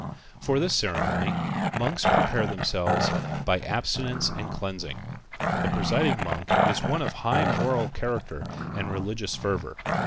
For this ceremony the monks prepare themselves by abstinence and cleansing. The presiding monk is one of high moral character and religious fervor.